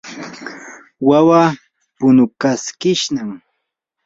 wawaa punukaskishnam.